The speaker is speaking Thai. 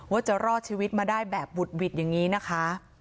ว่าจะรอดชีวิตมาได้แบบบุดหวิดอย่างนี้นะคะ